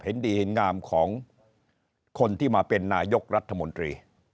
เห็นดีเห็นงามของคนที่มาเป็นนายกรัฐมนตรี